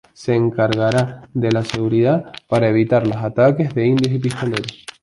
Se encargara de la seguridad para evitar los ataques de indios y pistoleros.